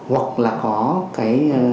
hoặc là có cái